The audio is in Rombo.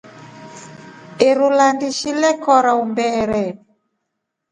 Iru landishi nloksha lekorya umbeere.